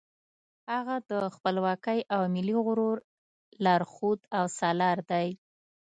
هغه د خپلواکۍ او ملي غرور لارښود او سالار دی.